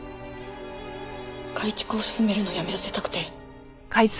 改築を勧めるのやめさせたくて。